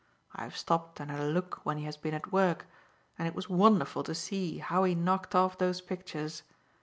I have stopped and had a look when he has been at work, and it was wonderful to see how he knocked off those pictures.